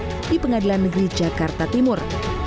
atau offline di pengadilan negeri jakarta timur